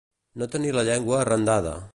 No tenir la llengua arrendada.